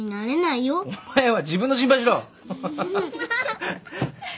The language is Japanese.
お前は自分の心配しろ。